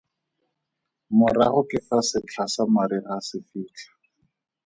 Morago ke fa setlha sa mariga se fitlha.